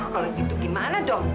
kalau gitu gimana dong